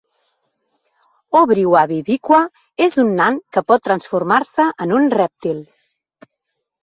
Obrigwabibikwa és un nan que pot transformar-se en un rèptil.